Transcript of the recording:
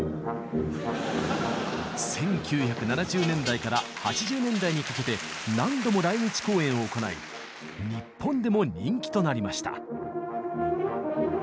１９７０年代から８０年代にかけて何度も来日公演を行い日本でも人気となりました。